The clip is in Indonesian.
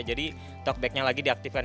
jadi talkbacknya lagi diaktifkan